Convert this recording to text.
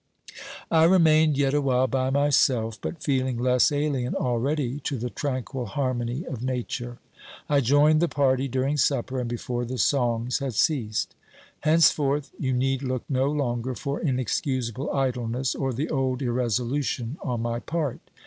I remained yet awhile by myself, but feeling less alien already to the tranquil harmony of Nature. I joined the party during supper and before the songs had ceased. Henceforth you need look no longer for inexcusable idleness or the old irresolution on my part.